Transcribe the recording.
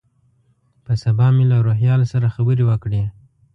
په سبا مې له روهیال سره خبرې وکړې.